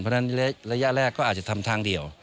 เพราะฉะนั้นระยะแรกก็อาจจะทำทางเดียว